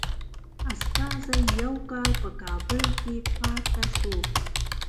استازی یو کال په کابل کې پاته شو.